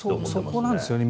そこなんですよね。